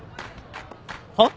はっ？